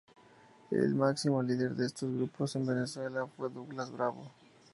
El máximo líder de estos grupos en Venezuela fue Douglas Bravo.